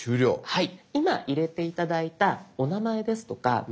はい。